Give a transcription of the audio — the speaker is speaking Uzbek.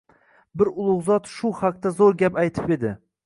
Bir ulug‘ zot shu haqda zo‘r gap aytib edi.